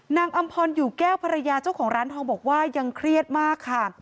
อำพรอยู่แก้วภรรยาเจ้าของร้านทองบอกว่ายังเครียดมากค่ะ